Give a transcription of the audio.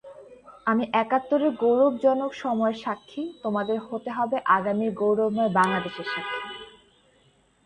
আমি একাত্তরের গৌরবজনক সময়ের সাক্ষী, তোমাদের হতে হবে আগামীর গৌরবময় বাংলাদেশের সাক্ষী।